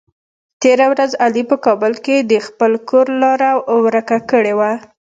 تېره ورځ علي په کابل کې د خپل کور لاره ور که کړې وه.